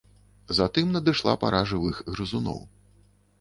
Затым надышла пара жывых грызуноў.